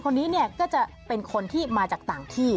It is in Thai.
คนนี้เนี่ยก็จะเป็นคนที่มาจากต่างที่